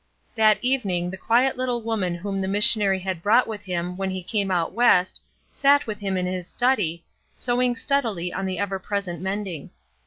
That evening the quiet Uttle woman whom the missionary had brought with him when he came out West sat with him in his study, sewmg steadily on the ever present mending.